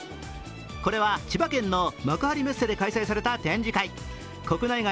これは千葉県の幕張メッセで開催された展示会、国内外